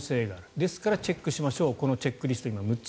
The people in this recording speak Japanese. ですから、チェックしましょうチェックリスト、６つ